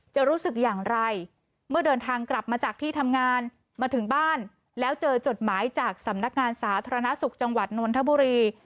จะรู้สึกอย่างไรเมื่อเดินทางกลับมาจากที่ทำงานมาถึงบ้านแล้วเจอจดหมายจากสำนักงานสาธารณสุขจังหวัดนนทบุรี